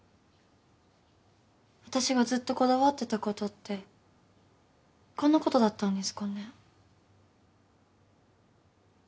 私がずっとこだわってたことってこんなことだったんですかね？